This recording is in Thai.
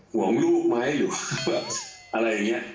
ห่วงลูกไหมหรือว่าแบบอะไรอย่างนี้